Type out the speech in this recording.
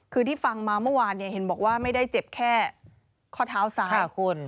คือที่ฟังมาเมื่อวานเนี่ยเห็นบอกว่าไม่ได้เจ็บแค่ข้อเท้าซ้ายคุณ